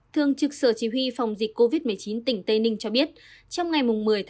thường trực sở chỉ huy phòng dịch covid một mươi chín tỉnh tây ninh cho biết trong ngày một mươi một